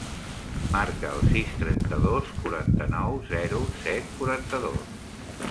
Marca el sis, trenta-dos, quaranta-nou, zero, set, quaranta-dos.